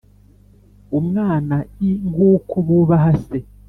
Umwana l nk uko bubaha Se